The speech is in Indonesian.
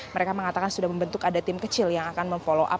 mereka mengatakan sudah membentuk ada tim kecil yang akan memfollow up